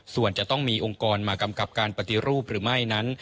ส่วนจะต้องมีองค์กรมากำกับการปฏิรูปหรือไม่นั้น